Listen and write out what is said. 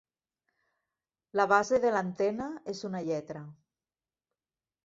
La base de l'antena és una lletra.